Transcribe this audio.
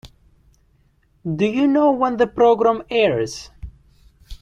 Do you know when the programme airs?